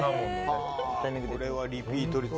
これはリピート率